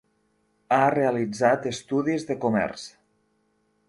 Ha realitzat estudis de comerç.